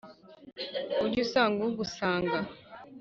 ujye usanga ugusanga.